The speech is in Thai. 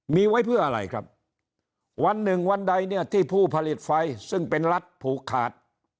มีไว้เพื่ออะไรครับวันหนึ่งวันใดเนี่ยที่ผู้ผลิตไฟซึ่งเป็นรัฐผูกขาด